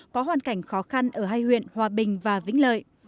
có hoàn cảnh khó khăn ở hai huyện hòa bình và vĩnh lợi